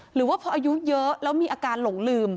หรือว่าพออายุเยอะแล้วมีอาการหลงลืม